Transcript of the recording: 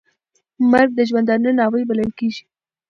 مرګ د ژوندانه ناوې بلل کېږي .